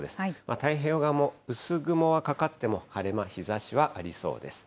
太平洋側も薄雲はかかっても、晴れ間、日ざしはありそうです。